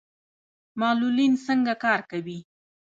معلولین څنګه کار کوي؟